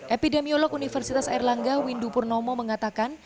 epidemiolog universitas air langga windu purnomo mengatakan